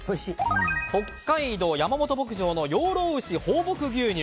北海道、山本牧場の養老牛放牧牛乳。